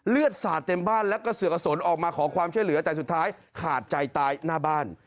สาดเต็มบ้านแล้วก็เสือกกระสนออกมาขอความช่วยเหลือแต่สุดท้ายขาดใจตายหน้าบ้าน